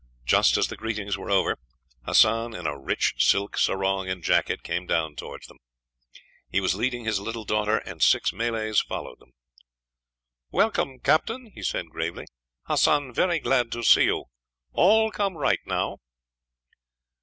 Just as the greetings were over, Hassan, in a rich silk sarong and jacket, came down towards them. He was leading his little daughter, and six Malays followed them. "Welcome, Captain," he said gravely. "Hassan very glad to see you. All come right now."